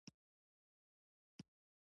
ښورښ یې په ډېره اساني کرار کړ.